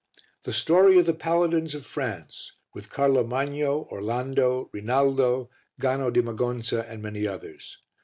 The Story of the Paladins of France with Carlo Magno, Orlando, Rinaldo, Gano di Magonza and many others.